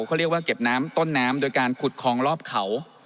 เขาเรียกว่าเก็บน้ำต้นน้ำโดยการขุดคลองรอบเขา